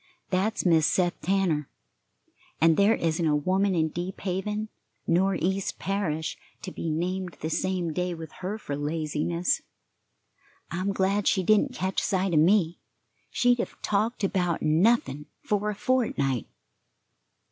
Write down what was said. That's Mis' Seth Tanner, and there isn't a woman in Deep Haven nor East Parish to be named the same day with her for laziness. I'm glad she didn't catch sight of me; she'd have talked about nothing for a fortnight."